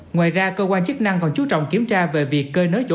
ngoài ra cơ quan chức năng còn chú trọng kiểm tra về việc cơ nới chỗ